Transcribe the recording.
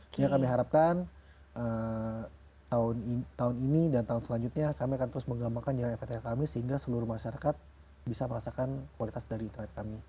sehingga kami harapkan tahun ini dan tahun selanjutnya kami akan terus mengembangkan jalan ftk kami sehingga seluruh masyarakat bisa merasakan kualitas dari internet kami